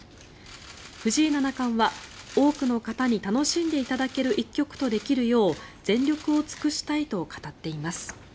藤井七冠は多くの方に楽しんでいただける一局とできるよう全力を尽くしたいと語っています。